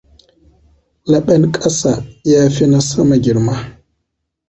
Leɓen ƙasa ya fi na sama girma.